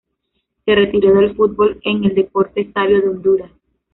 Se retiró del fútbol en el Deportes Savio de Honduras.